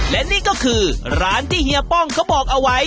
และนี่ก็คือร้านที่เฮียป้องเขาบอกเอาไว้